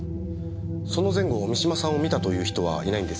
その前後三島さんを見たという人はいないんですよね？